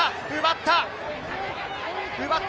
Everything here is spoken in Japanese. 奪った！